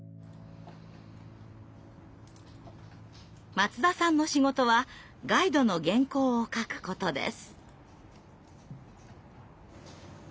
松田さんの仕事はガイドの原稿を書くことです。